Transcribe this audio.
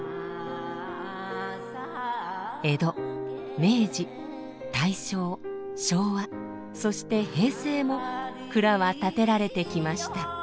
江戸明治大正昭和そして平成も蔵は建てられてきました。